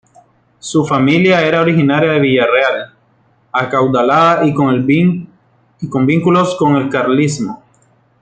Su familia era originaria de Villarreal, acaudalada y con vínculos con el carlismo.